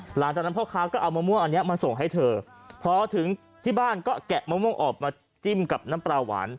หลังจากนั้นพ่อค้าก็เอามะม่วงอันนี้มาส่งให้เธอพอถึงที่บ้านก็แกะมะม่วงออกมาจิ้มกับน้ำปลาหวาน